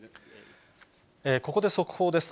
ここで速報です。